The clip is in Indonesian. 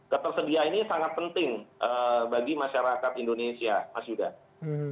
ketersediaan ini sangat penting bagi masyarakat indonesia mas yudha